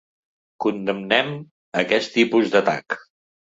Condemnem aquest tipus d’atac.